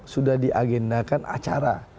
sudah di agendakan acara